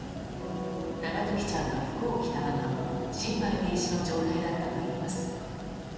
永時ちゃんは服を着たまま心肺停止の状態だったといいます。